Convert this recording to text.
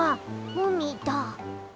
うみだ！